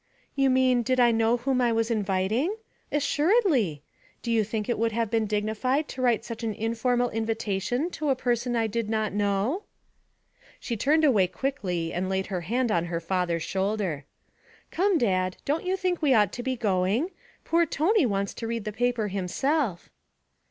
'You mean, did I know whom I was inviting? Assuredly! Do you think it would have been dignified to write such an informal invitation to a person I did not know?' She turned away quickly and laid her hand on her father's shoulder. 'Come, Dad, don't you think we ought to be going? Poor Tony wants to read the paper himself.'